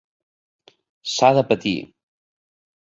S'ha de patir!